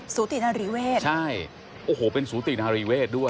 สูตินาริเวศใช่โอ้โหเป็นสูตินารีเวศด้วย